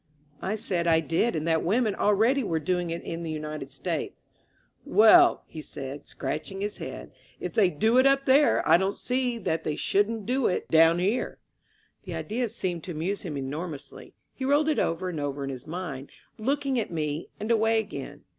I said I did and that women already were doing it in the United States. Well," he said, scratching his head : "if they do it up there I donM; see that they shouldn't do it 181 INSURGENT MEXICO down here." The idea seemed to amuse him enormously. He rolled it over and over in his mind, looking at me and away again.